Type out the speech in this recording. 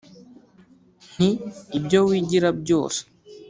Nti: ibyo wigira byose